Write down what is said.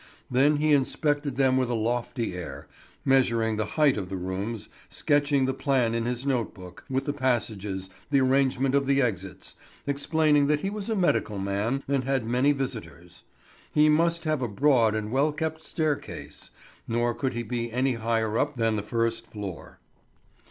Then he inspected them with a lofty air, measuring the height of the rooms, sketching the plan in his note book, with the passages, the arrangement of the exits, explaining that he was a medical man and had many visitors. He must have a broad and well kept stair case; nor could he be any higher up than the first floor.